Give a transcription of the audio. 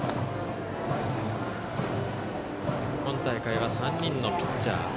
今大会は３人のピッチャー。